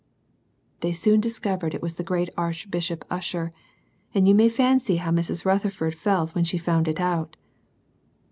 They soon discovered it was the great Archbishop Usher, and you may fancy how Mrs. Rutherford felt when she found it out